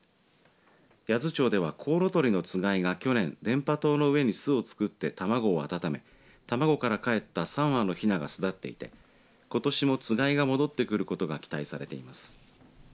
八頭町ではコウノトリのつがいが去年電波塔の上に巣を作って卵を温め卵からかえった３羽のひなが巣立っていってことしも、つがいが戻ってくることが期待されています。